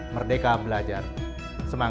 merdeka belajar semangat